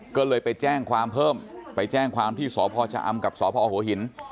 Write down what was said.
ก็เลยไปแจ้งความเพิ่มไปแจ้งความที่สพชะอำกับสพหัวหิน